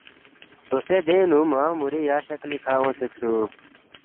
دوسے دینگ نُو موانگ مُوری یا شکلی کھہ اونگسیدسُوک